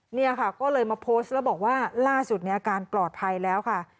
เนี่ยค่ะก็เลยมาโพสต์แล้วบอกว่าล่าสุดเนี่ยอาการปลอดภัยแล้วค่ะ